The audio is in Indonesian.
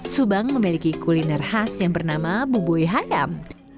subang memiliki kuliner khas yang bernama bubuy hayam